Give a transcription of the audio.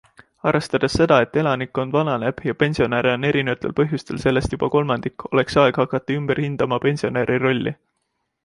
Arvestades seda, et elanikkond vananeb ja pensionäre on erinevatel põhjustel sellest juba kolmandik, oleks aeg hakata ümber hindama pensionäri rolli.